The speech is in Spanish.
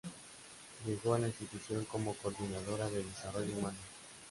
Llegó a la institución como coordinadora de desarrollo humana.